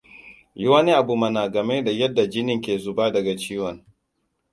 Yi wani abu mana game da yadda jinin ke zuba daga ciwon.